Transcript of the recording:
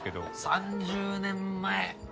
３０年前。